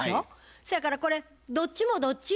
そやからこれどっちもどっちや言うたら。